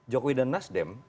jokowi dan nasdem